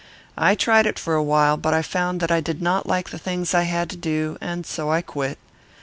I tried it for a while, but I found that I did not like the things I had to do, and so I quit.